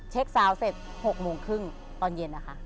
เช็คซาวเสร็จ๖โมงครึ่งตอนเย็นอะค่ะ